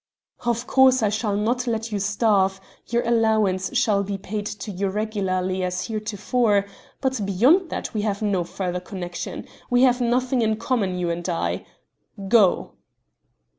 "Of course I shall not let you starve; your allowance shall be paid to you regularly as heretofore but beyond that we have no further connection; we have nothing in common, you and I. Go!"